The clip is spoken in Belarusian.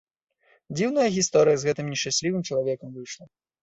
Дзіўная гісторыя з гэтым нешчаслівым чалавекам выйшла.